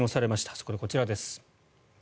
そこでこちらです。